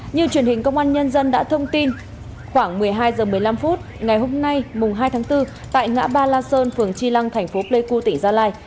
như truyền hình công an nhân dân đã thông tin khoảng một mươi hai h một mươi năm phút ngày hôm nay mùng hai tháng bốn tại ngã ba la sơn phường chi lăng thành phố pleiku tỉnh gia lai